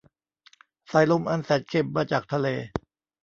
สายลมอันแสนเค็มมาจากทะเล